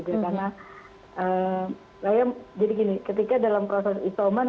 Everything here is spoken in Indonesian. karena saya jadi gini ketika dalam proses isoman